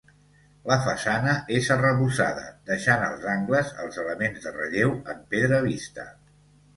La façana és arrebossada deixant els angles els elements de relleu en pedra vista.